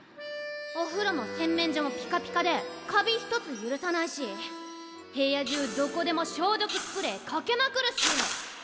おふろも洗面所もピカピカでカビ一つ許さないし部屋中どこでも消毒スプレーかけまくるし！